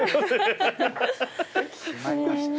決まりました。